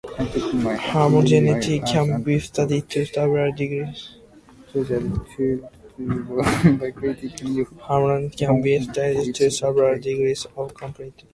Homogeneity can be studied to several degrees of complexity.